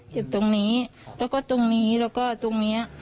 เจ็บตรงนี้แล้วก็ตรงนี้แล้วก็ตรงนี้